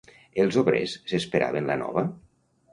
Els obrers s'esperaven la nova?